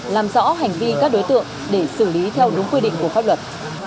làm rõ hành vi các đối tượng để xử lý theo đúng quy định của pháp luật